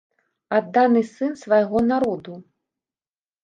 Адданы сын свайго народу.